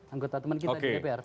anggota teman kita di dpr